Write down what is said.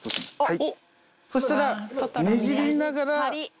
そしたらねじりながら。